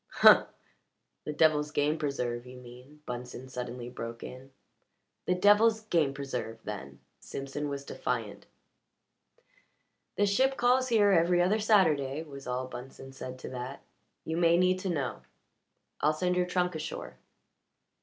"Humph! The devil's game preserve, you mean," Bunsen suddenly broke in. "The devil's game preserve, then!" Simpson was defiant. "The ship calls here every other Saturday," was all Bunsen said to that. "You may need to know. I'll send your trunk ashore."